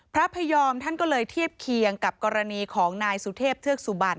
พระพยอมท่านก็เลยเทียบเคียงกับกรณีของนายสุเทพเทือกสุบัน